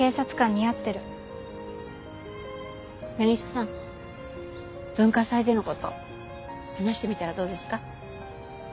渚さん文化祭での事話してみたらどうですか？